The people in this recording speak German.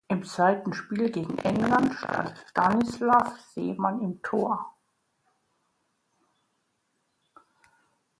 Im zweiten Spiel gegen England stand Stanislav Seman im Tor.